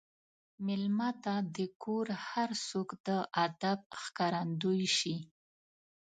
مېلمه ته د کور هر څوک د ادب ښکارندوي شي.